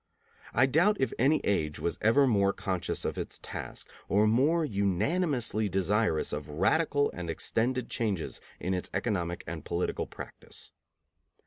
I doubt if any age was ever more conscious of its task or more unanimously desirous of radical and extended changes in its economic and political practice.